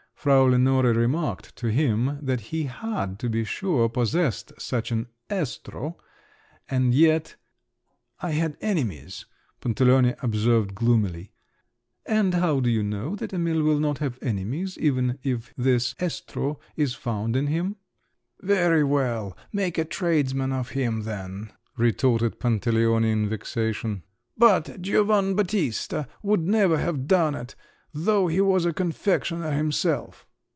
Frau Lenore remarked to him that he had, to be sure, possessed such an "estro"—and yet … "I had enemies," Pantaleone observed gloomily. "And how do you know that Emil will not have enemies, even if this "estro" is found in him?" "Very well, make a tradesman of him, then," retorted Pantaleone in vexation; "but Giovan' Battista would never have done it, though he was a confectioner himself!"